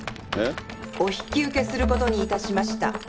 お引き受けすることにいたしました。